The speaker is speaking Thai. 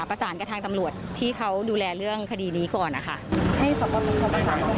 ว่าใครจะเป็นคนประสานหรืออะไรยังไง